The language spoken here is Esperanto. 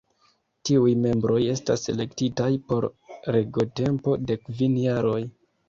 Tiuj membroj estas elektitaj por regotempo de kvin jaroj.